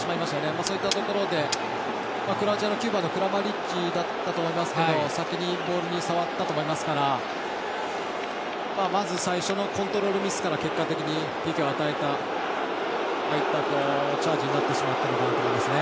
そういったところでクロアチアのクラマリッチが先にボールに触ったと思いますからまず最初のコントロールミスから結果的に、ＰＫを与えたああいったチャージになってしまったのかなと思いますね。